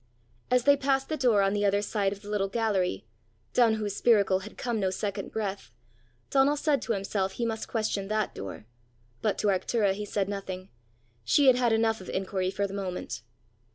As they passed the door on the other side of the little gallery down whose spiracle had come no second breath Donal said to himself he must question that door, but to Arctura he said nothing: she had had enough of inquiry for the moment!